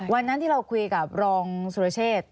วันนั้นที่เราคุยกับรองสุรเชษ